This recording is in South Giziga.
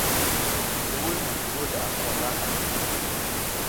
Duwul bole a mawa nga hay.